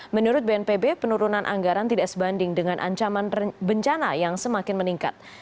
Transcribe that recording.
menurut bnpb penurunan anggaran tidak sebanding dengan ancaman bencana yang semakin meningkat